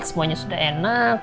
semuanya sudah enak